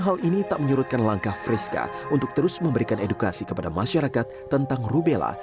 hal ini tak menyurutkan langkah friska untuk terus memberikan edukasi kepada masyarakat tentang rubella